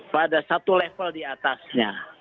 pada satu level diatasnya